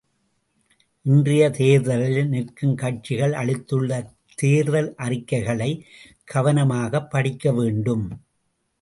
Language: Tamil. இன்றைய தேர்தலில் நிற்கும் கட்சிகள் அளித்துள்ள தேர்தல் அறிக்கைகளைக் கவனமாகப் படிக்க வேண்டும்!